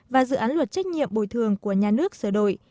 và dự án luật trách nhiệm bồi thường của nhà nước sửa đổi